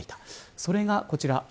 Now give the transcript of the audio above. それが、こちら。